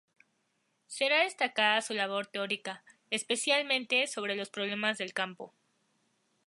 Será destacada su labor teórica, especialmente sobre los problemas del campo.